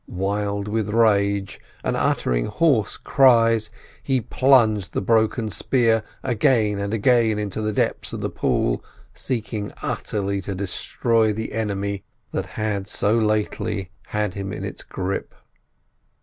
Wild with rage, and uttering hoarse cries, he plunged the broken spear again and again into the depths of the pool, seeking utterly to destroy the enemy that had so lately had him in its grip.